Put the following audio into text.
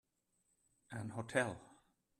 An hotel.